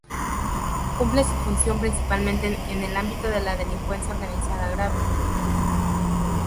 Cumple su función principalmente en el ámbito de la delincuencia organizada grave.